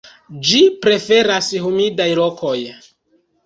Ĝi preferas humidaj lokoj.